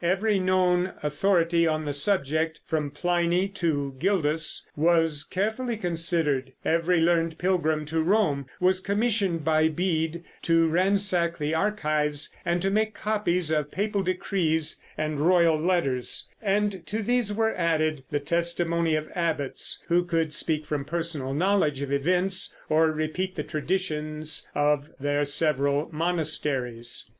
Every known authority on the subject, from Pliny to Gildas, was carefully considered; every learned pilgrim to Rome was commissioned by Bede to ransack the archives and to make copies of papal decrees and royal letters; and to these were added the testimony of abbots who could speak from personal knowledge of events or repeat the traditions of their several monasteries.